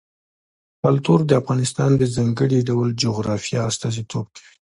کلتور د افغانستان د ځانګړي ډول جغرافیه استازیتوب کوي.